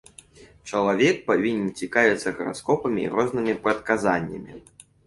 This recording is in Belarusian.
Чалавек павінен цікавіцца гараскопамі і рознымі прадказаннямі.